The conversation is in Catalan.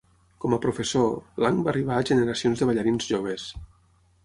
Com a professor, Lang va arribar a generacions de ballarins joves.